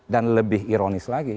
dan lebih ironis lagi